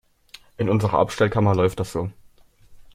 In unserer Abstellkammer läuft das so.